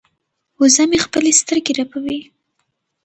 وزه مې خپلې سترګې رپوي.